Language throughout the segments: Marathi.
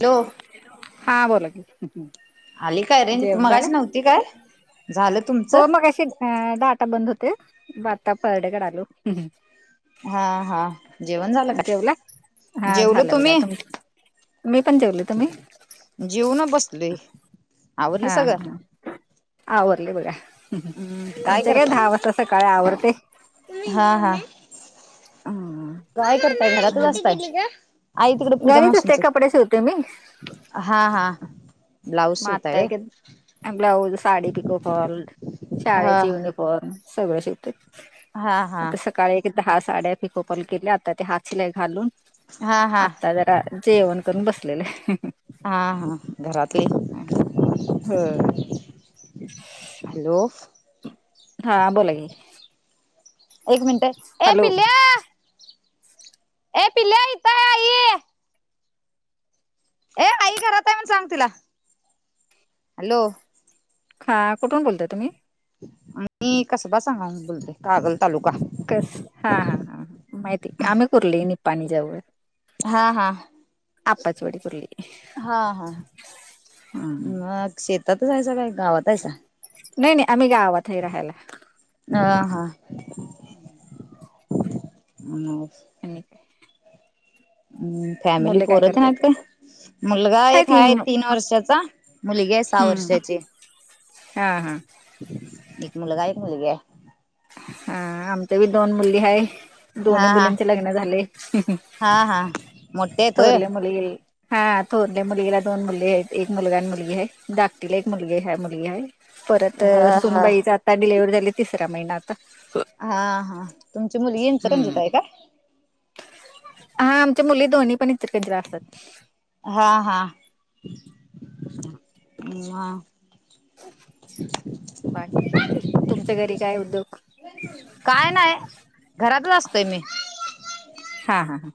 हॅलो हा बोला की. हह आली काय रेज? मगाची नव्हती काय? झालं तुमचं? हं डाटा बंद होते. बाता परडेकडं आलो. हा हा जेवण झालं काय जेवला? हा जेवलो झालं बघा तुम्ही तुम मी पण जेवली. तुम्ही? जीऊन बसले. हा हा ह आवरले बघा. हह.. हम्म काय आमच्या कडे दहा करताय वाजता स काय आवडते? हा हा, हम्म, काय करताय घरातच हम्म. असताय? आई तिकडं पूजा घरीच असते कपडे माशींच्यात, शिवते मी हा हा. ब्लाऊज मता शिवताय होय क ब्लाऊज साडी पिको फॉल, हा शाळेची यूनी फोम सगळं शीवतोय, हा हा आता सक सकाळी एक दहा साड्या पीको फॉल केल्या आता ते हात शिलाई घालून हा हा आता हा जरा जेवण करून बसलेले. हा हा घरातली हो. हॅलो. हा बोला की. एक मिनटे्, ए हॅलो पिल्ल्या. येपिल्या इथाय ए आई घरात हाय म्हणून सांग तिला. हॅलो. हा कुठून बोलताय तुम्ही? मी कसबा सांगावहून बोलतोय कागल तालुका. कस हा हा ह माहितीय,, आम्ही कुरले निपाणी जवळ. हा हा, आपाचवाडी कुर्ली हा हा. हम्म मग शेतातच हायसा काय गावात हातसा? नाही नाही आम्ही गावात हाय राहायला. ह हा. हम्म.. ह. आणि काय. हम्म फॅमिली मुले काय पोरंते हाय करतात काय.? मुलगा काय एक ती हा तीन वर्षाचा, मुलगी आहे सहा हम्म वर्षाची. हा हा. एक मुलगा एक मुलगी हाय. हा आम ते दोन मुली आहे, दोनही हा हा. मुलींचे लग्नं झाले.. हा हा मोठे आहेत होय. थोरले मुली हा थोरले मुलगीला दोन मुलग आहेत एक मुलगा आणि मुलगी हाय,, धाकटीला एक मुलगी हाय मुलगी हाय. परत हा हा. सूनबाईचं आता डिलेवरी झाल्या तिसऱ्या महिन्या हा हा, तुमची मुली हम्म ईंनचकंजीत हाय काय? हा आमच्या मुली दोन्ही पण इचलकरंजीला असतात. हा हा बाकी काय,, तुमच्या घरी काय उद्योग? काय नाही, घरातच आसतोय मी. हा हा हा.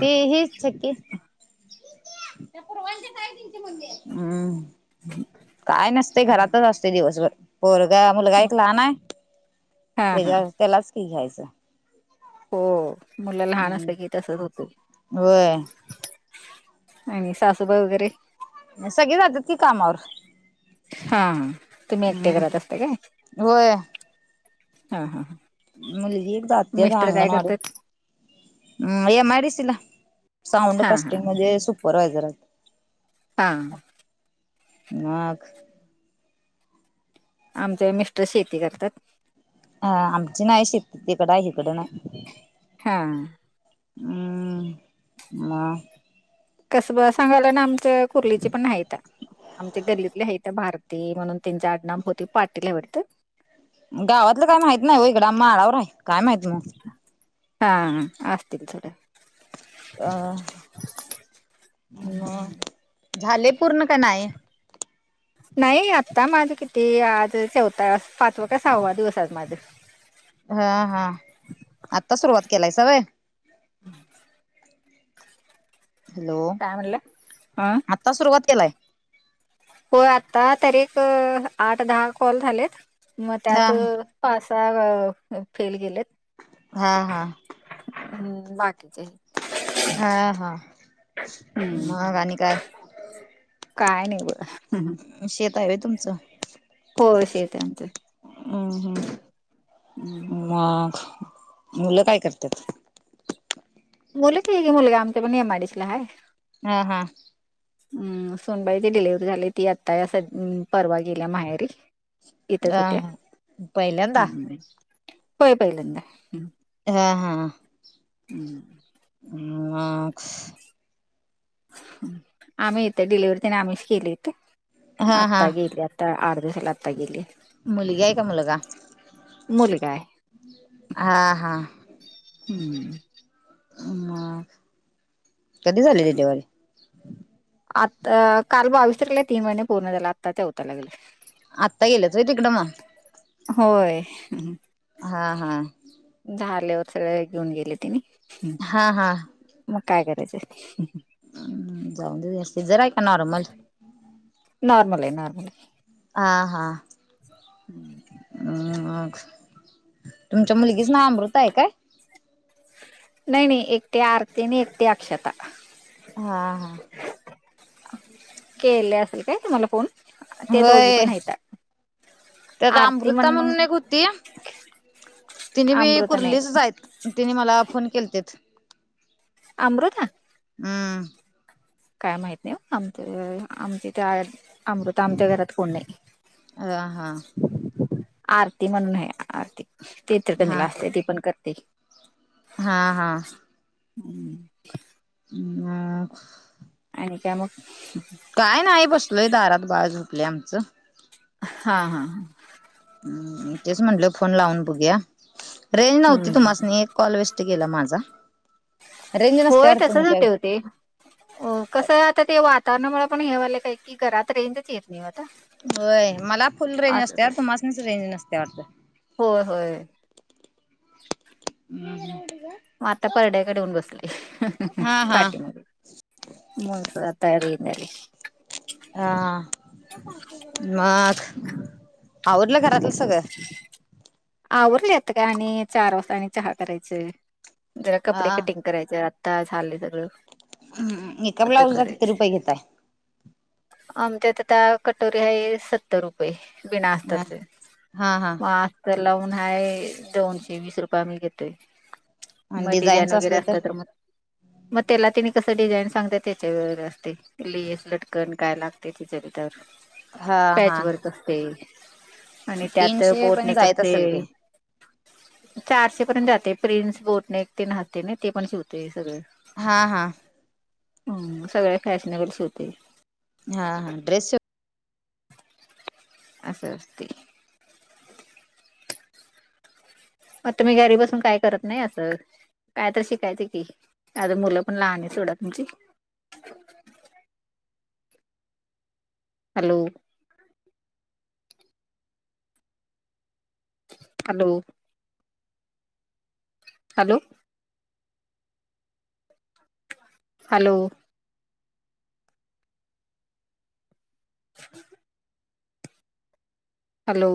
ते हे छकी पूर्वाचे हम्म. काय नसतय घरातच असतोय दिवसभर. पोरगा मुलगा हा एक लहान हाय, हा हा. त्यालाच की घ्यायचं. हो, मुलं लहान हम्म असलं की तसंच होतय. होय आणि सासूबाई वगैरे सगळे जातात की कामावर‌. हा तुम्ही एकटे करत असता काय? होय हा. मुली एक जात्या मिस्टर काय अंगणवाडीत. करतात? हम्म. ए मडीसला. साऊंड हा हा. कास्टिंग मध्ये सुपरवायझर आहेत. हां. नाख. आमचे मिस्टर शेती करतात. अ आमची नाही शेती तिकड आहे इकड नाही. हां. म. कसबं सांगाव ला ना आमच्या कुर्लीचे पण नाहीत आमच्या गल्लीतली आहेित भारत ती म्हणून त्यांचे आडनाव बहुतेक पाटील हाय वाढतं. गावातलं काय माहित नाही हो इकड आ माळावर आहे काय माहित. हा असस्तील सोडा. अ म झाले पूर्ण काय नाही? नाही आत्ता माझं किती आज चौथ पाचवा का सहावा दिवस आहे माझं‌. हा हा. आत्ता सुरुवात केलायसा व्हय? हॅलो‌. काय म्हणलं ह आता सुरुवात केलाय? हो. आता तरी एक आठ-दहा कॉल झालेत मग हा त्यात पाच-सहा फेल गेलेत. हा हा. हम्म. बाकीचे. ह हा. हम्म मग काणी काय? काय नाही बघा. हम्. शेत आहे होय तुमचं? हो शेत आहे आमचं. मग‌ मुलं काय करत्यात? मुल काय एक मुलगा हाय आमचा पण एमआयडीसीला आहे. ह हा. हम् सुनबाई ती डिलिव्हरी झाली ती आता या स परवा गेल्या माहेरी. येतच ह होत्या. ह पहिल्यांदा व्हय पहिल्यांदा. हा हा. हम्म. [unintelligible] आम्ही यथे डिलिव्हरी त्याने आम्हीच केली होती हा हा आत्ता गेली आ. आठ दिवस झालं आता गेली. मुलगी आहे का मुलगा? मुलगा आहे हा हा. हम्म. मग कधी झाली डिल्हीवारी? आता काल बावीस तारीखला तीन महिने पूर्ण झाले आत्ता चौथा लागलाय. आत्ता गेलेत व्हय तिकडं मग. होय. हा हा. झाल्यावर सगळे घेऊन गेले तेनी. हा हा‌. मग काय करायचं. हाम्म जाऊदे जास्ती सिजर आहे का नॉर्मल. नॉर्मल हाय नॉर्मल हाय. आ हा. [inaudible] अ तुमच्या मुलगीचं नाव अमृता आहे काय. नाही नाही एकटी आरती आणि एकटी अक्षता. हा हा. केले असेल काय तुम्हाला फोन. ते दोघी होय पण आहेत त्यात अमृता म्हणून एक हूती. तिनी बी अमृता नाही कुर्लीच हायत तिने मला फोन केलेतेत. आमृता. हम्. काय माहित नाही ओ आमच्या आमच्या इंथ अमृता आमच्या घरात कोण नाही. हं हा. आरती म्हणून हाय आरती ती इचलकरंजीला हा असतीया ती पण करते की. हा हा. [unintelligible] हा. आणि काय मग. काय नाही बसलोय दारात बाळ झोपलयं आमचं. हा हा हा. तेच म्हंटल फोन लावून बघूया रेंज नव्हती हम्म तुम्हासनी. कॉल वेस्ट गेला माझा. रेंज नसत्या होय वाटत तसंच होतय ओ तुमच्याकडे ते. हो कसं आता ते वातावरणामुळं पण हे व्हायलय की घरात रेंजच येत नाही ओ आता. होय मला फुल रेंज असंच असतीया आहे तुम्हासनीच रेंज नसतीया वाटतं. होय होय. [unintelligible] मग आता परड्याकडे येऊन बसली हा हा पाटीमागं. [unintelligible] हा मग आवरलं घरातलं सगळं. आवरलयं आता काय आणि चार वाजता आणि चहा करायचं जरा कपडे हा कटिंग करायचं आता झालयं सगळं हम्म एका आता ब्लाऊजचा किती करायचं रुपये घेताय आमच्यात आता कटोरी आहे सत्तर रुपये बिना हा आस्तरचं हा हा म आ आस्तर लावून हाय दोनशे वीस रुपये आम्ही घेतोय आणि मग डिझाईन डिझाईनच वगैरे असलं तर? असतात म म तेला तिने कसं डिझाईन सांगते त्याच्यावर असतयं लेस लटकन काय लागतयं तिच्या बेतावर हा पॅच हा वर्क असते आणि त्यात तीनशे पण बोटणेस जायत [inaudible] चारशे पर्यंत जाते प्रिन्स बोटने एक ते नाहते ना ते पण शिवते सगळं हा हा हां सगळं फॅशनेबल शिवतोय हा हा ड्रेस शीव असं असतय. मग तुम्ही घरी बसून काय करत नाही असं काय तर शिकायचं की आजून मुलं पण लहान आहे सोडा तुमची. Hello hello hello [inaudible] hello [unintelligible] hello